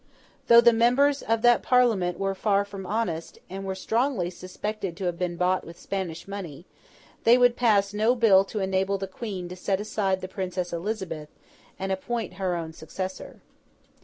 Though the members of that Parliament were far from honest, and were strongly suspected to have been bought with Spanish money, they would pass no bill to enable the Queen to set aside the Princess Elizabeth and appoint her own successor.